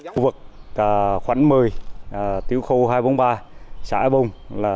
khu vực khoảng một mươi tiểu khu hai trăm bốn mươi ba xã e bùng